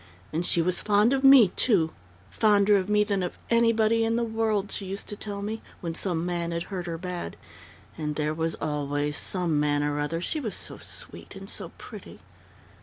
And she was fond of me, too, fonder of me than of anybody in the world, she used to tell me, when some man had hurt her bad.... And there was always some man or other, she was so sweet and so pretty....